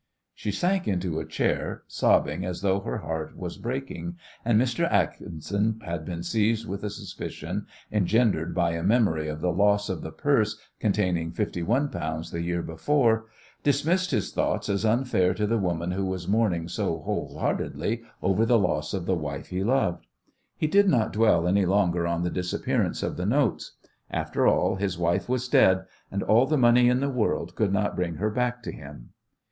She sank into a chair, sobbing as though her heart was breaking, and Mr. Atkinson, who had been seized with a suspicion, engendered by a memory of the loss of the purse containing fifty one pounds the year before, dismissed his thoughts as unfair to the woman who was mourning so whole heartedly over the loss of the wife he loved. He did not dwell any longer on the disappearance of the notes. After all, his wife was dead, and all the money in the world could not bring her back to him.